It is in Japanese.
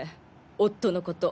夫のこと。